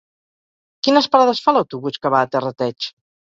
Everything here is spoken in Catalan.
Quines parades fa l'autobús que va a Terrateig?